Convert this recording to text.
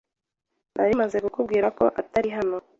Nari maze kukubwira ko atari hano.